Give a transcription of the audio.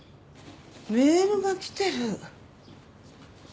メールが来てる。